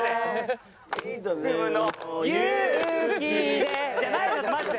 「勇気で」じゃないのよマジで！